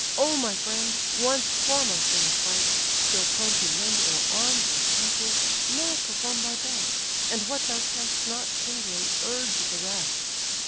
Oh, my friend! Once foremost in the fight, still prone to lend Or arms or counsels, now perform thy best, And what thou canst not singly, urge the rest."